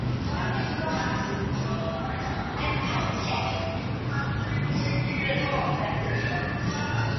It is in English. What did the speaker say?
He also is a regular judge on "Iron Chef America".